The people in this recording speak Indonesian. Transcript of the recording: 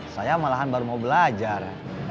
saya malahan baru mau belajar